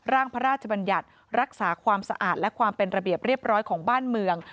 ร่างพระราชบัญญัติรักษาความสะอาดและความเป็นระเบียบเรียบร้อยของบ้านเมือง